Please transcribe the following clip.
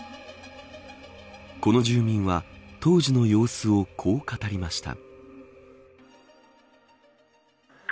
この住民は、当時の様子をこう語りました。